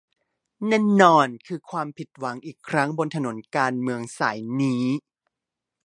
แน่นอนคือความผิดหวังอีกครั้งบนถนนการเมืองสายนี้